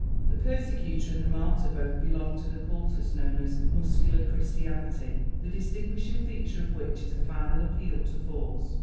The persecutor and the martyr both belong to the cultus known as "Muscular Christianity," the distinguishing feature of which is a final appeal to force.